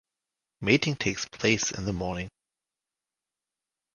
Mating takes place in the morning.